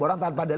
orang tanpa dali